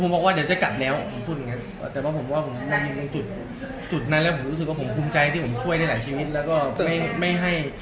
โปรดติดตามตอนต่อไป